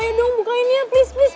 ya dong bukain ya please please